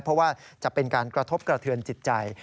เพราะว่าจะเป็นการกระทบกระเทือนจิตใจ